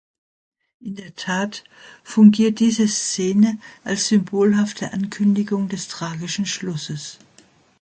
In der Tat fungiert diese Szene als symbolhafte Ankündigung des tragischen Schlusses.